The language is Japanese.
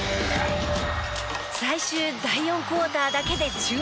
最終第４クオーターだけで１７得点。